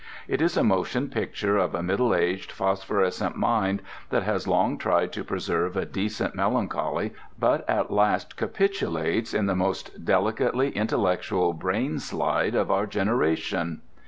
It is a motion picture of a middle aged, phosphorescent mind that has long tried to preserve a decent melancholy but at last capitulates in the most delicately intellectual brainslide of our generation.